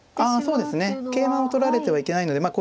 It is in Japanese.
あそうですね桂馬も取られてはいけないので